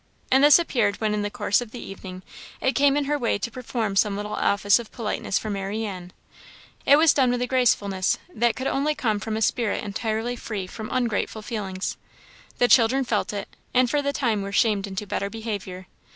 And this appeared when in the course of the evening it came in her way to perform some little office of politeness for Marianne. It was done with the gracefulness that could only come from a spirit entirely free from ungrateful feelings. The children felt it, and for the time were shamed into better behaviour.